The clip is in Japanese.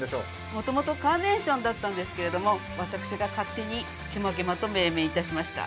もともとカーネーションだったんですけど、私が勝手にケマケマと命名いたしました。